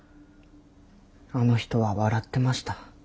あの人は笑ってました。